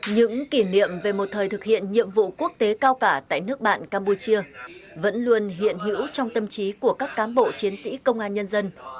những kỷ niệm về một thời thực hiện nhiệm vụ quốc tế cao cả tại nước bạn campuchia vẫn luôn hiện hữu trong tâm trí của các cám bộ chiến sĩ công an nhân dân